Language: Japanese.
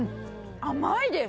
甘いです！